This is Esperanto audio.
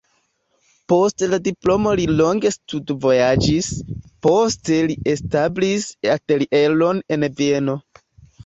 Post la diplomo li longe studvojaĝis, poste li establis atelieron en Vieno.